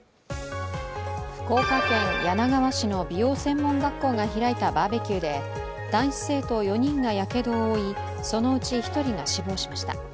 福岡県柳川市の美容専門学校が開いたバーベキューで男子生徒４人がやけどを負い、そのうち１人が死亡しました。